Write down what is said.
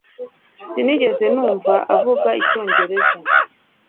Sinigeze numva avuga icyongereza